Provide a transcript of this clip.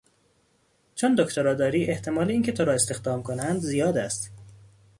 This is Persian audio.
چون دکترا داری احتمال اینکه تو را استخدام کنند زیاد است.